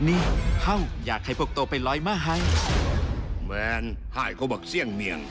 นี่เข้ายากให้พวกโตไปลอยมาหาย